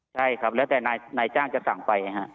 ใช่ครับแล้วแต่นายจ้างจะสั่งไป